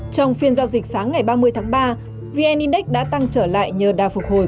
trong phiên giao dịch sáng ngày ba mươi tháng ba vn index đã tăng trở lại nhờ đà phục hồi